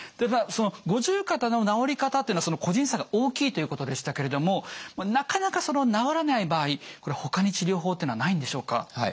その五十肩の治り方っていうのは個人差が大きいということでしたけれどもなかなか治らない場合これほかに治療法っていうのはないんでしょうか？